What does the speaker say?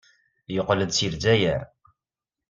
Yeqqel-d seg Lezzayer.